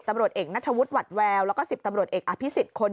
ตำรวจเอกณทววดแววแล้วก็สิบตำรวจเอกอภิสิตคน